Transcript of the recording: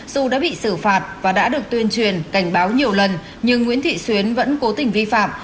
dù đã bị xử phạt và đã được tuyên truyền cảnh báo nhiều lần nhưng nguyễn thị xuyến vẫn cố tình vi phạm